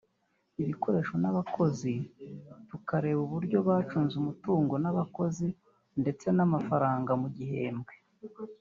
ibikoresho n’abakozi tukareba uburyo bacunze umutungo n’abakozi ndetsen’amafaranga mu gihembwe